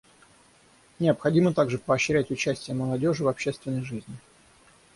Необходимо также поощрять участие молодежи в общественной жизни.